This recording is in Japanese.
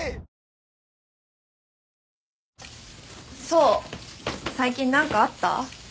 想最近何かあった？